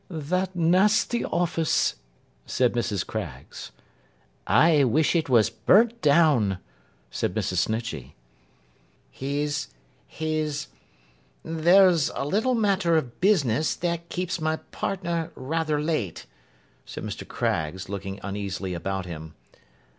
'That nasty office,' said Mrs. Craggs. 'I wish it was burnt down,' said Mrs. Snitchey. 'He's—he's—there's a little matter of business that keeps my partner rather late,' said Mr. Craggs, looking uneasily about him.